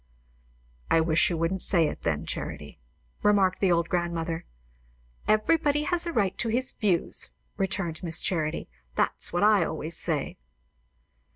"I wish you wouldn't say it, then, Charity," remarked the old grandmother. "Everybody has a right to his views," returned Miss Charity. "That's what I always say."